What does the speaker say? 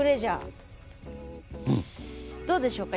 どうでしょうか？